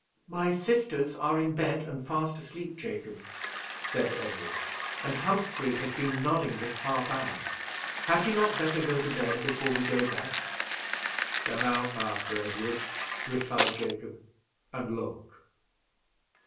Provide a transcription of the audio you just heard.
"My sisters are in bed and fast asleep, Jacob," said Edward, "and Humphrey has been nodding this half hour; had he not better go to bed before we go back?" "Come out, Master Edward," replied Jacob, "and look."